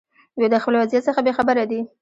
دوی د خپل وضعیت څخه بې خبره دي.